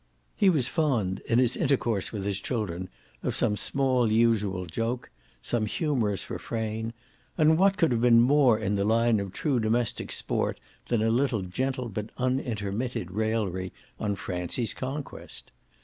He was fond, in his intercourse with his children, of some small usual joke, some humorous refrain; and what could have been more in the line of true domestic sport than a little gentle but unintermitted raillery on Francie's conquest?